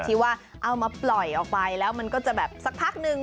ที่ว่าเอามาปล่อยออกไปแล้วมันก็จะแบบสักพักนึง